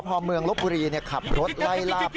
ระบบเรียบกราบ